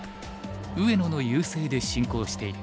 上野の優勢で進行している。